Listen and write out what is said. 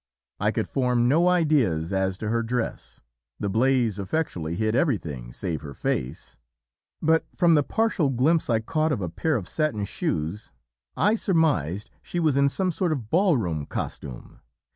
"I could form no idea as to her dress, the blaze effectually hid everything save her face; but from the partial glimpse I caught of a pair of satin shoes, I surmised she was in some sort of ball room costume.